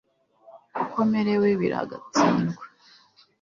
uko merewe biragatsindwa